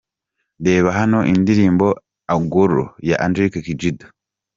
Reba hano indirimbo Agolo ya Angelique Kidjo.